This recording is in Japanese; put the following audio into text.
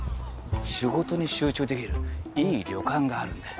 仕事に集中できるいい旅館があるんだよ。